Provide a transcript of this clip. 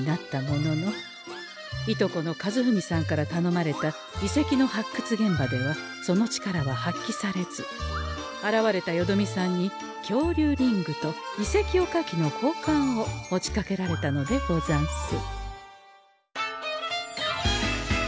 従兄の和史さんからたのまれた遺跡の発掘現場ではその力は発揮されず現れたよどみさんにきょうりゅうリングと遺跡おかきのこうかんを持ちかけられたのでござんす。